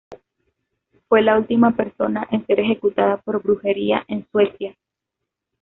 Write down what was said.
Fue la última persona en ser ejecutada por brujería en Suecia.